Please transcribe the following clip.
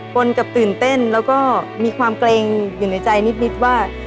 นกับตื่นเต้นแล้วก็มีความเกรงอยู่ในใจนิดว่า